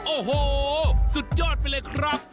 โอ้โหสุดยอดไปเลยครับ